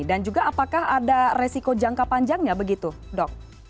dan juga apakah ada risiko jangka panjangnya begitu dok